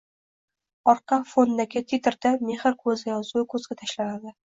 Orqa fondagi titrda “Mexr ko‘zda” yozuvi ko‘zga tashlanadi.